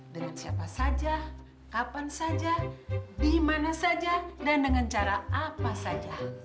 dengan siapa saja kapan saja dimana saja dan dengan cara apa saja